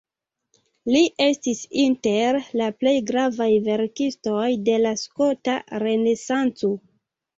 Li estis inter la plej gravaj verkistoj de la skota renesanco.